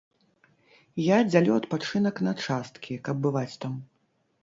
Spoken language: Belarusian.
Я дзялю адпачынак на часткі, каб бываць там.